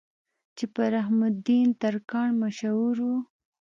چې پۀ رحم الدين ترکاڼ مشهور وو